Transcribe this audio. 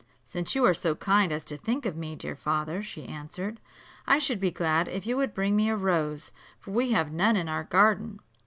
"Since you are so kind as to think of me, dear father," she answered, "I should be glad if you would bring me a rose, for we have none in our garden."